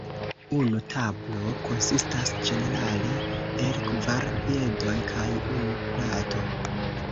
Unu tablo konsistas ĝenerale el kvar piedoj kaj unu plato.